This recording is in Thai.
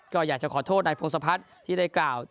ก็อยากจะขอโทษนายพงศพัฒน์ที่ได้กล่าว